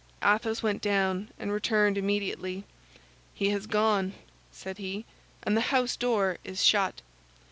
Athos went down and returned immediately. "He has gone," said he, "and the house door is shut."